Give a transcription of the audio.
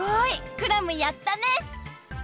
クラムやったね！